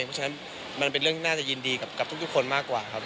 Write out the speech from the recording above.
เพราะฉะนั้นมันเป็นเรื่องน่าจะยินดีกับทุกคนมากกว่าครับ